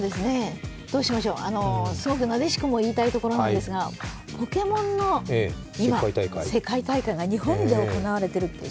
どうしましょうすごくなでしこも言いたいところなんですが「ポケモン」の世界大会が日本で行われているっていう。